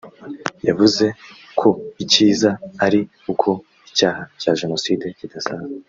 yavuze ko ikiza ari uko icyaha cya jenoside kidasaza